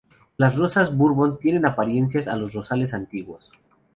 Las rosas bourbon tienen apariencias a los Rosales antiguos.